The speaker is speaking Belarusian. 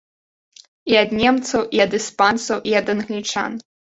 І ад немцаў, і ад іспанцаў, і ад англічан.